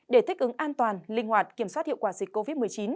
để thích ứng an toàn linh hoạt kiểm soát hiệu quả dịch covid một mươi chín